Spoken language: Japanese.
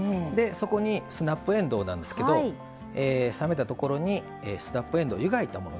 そこにスナップえんどうなんですけど冷めたところにスナップえんどう湯がいたもの。